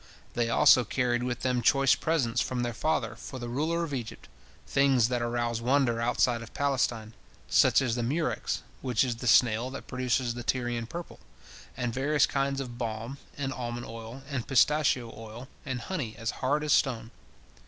They also carried with them choice presents from their father for the ruler of Egypt, things that arouse wonder outside of Palestine, such as the murex, which is the snail that produces the Tyrian purple, and various kinds of balm, and almond oil, and pistachio oil, and honey as hard as stone.